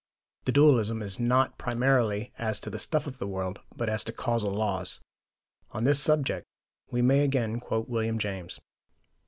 The dualism is not primarily as to the stuff of the world, but as to causal laws. On this subject we may again quote William James.